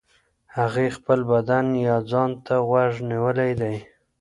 هغې خپل بدن يا ځان ته غوږ نيولی دی.